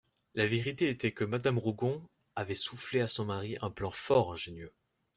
La vérité était que madame Rougon avait soufflé à son mari un plan fort ingénieux.